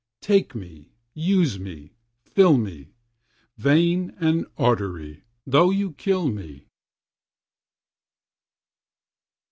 take me, use me, fill me, Vein and artery, though ye kill me!